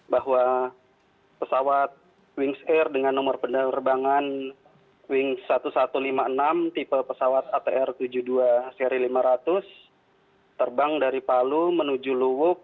bahwa pesawat wings air dengan nomor penerbangan wing seribu satu ratus lima puluh enam tipe pesawat atr tujuh puluh dua seri lima ratus terbang dari palu menuju luwuk